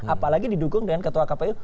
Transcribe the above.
apalagi didukung dengan ketua kpu